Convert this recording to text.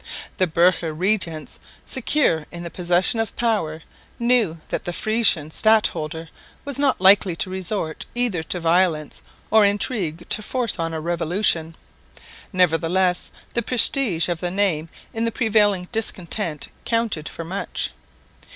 The burgher regents, secure in the possession of power, knew that the Frisian stadholder was not likely to resort either to violence or intrigue to force on a revolution. Nevertheless the prestige of the name in the prevailing discontent counted for much.